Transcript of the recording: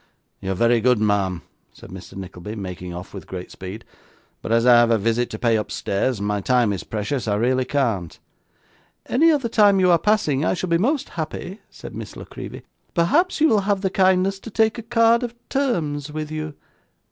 'You're very good, ma'am,' said Mr. Nickleby, making off with great speed; 'but as I have a visit to pay upstairs, and my time is precious, I really can't.' 'At any other time when you are passing, I shall be most happy,' said Miss La Creevy. 'Perhaps you will have the kindness to take a card of terms with you?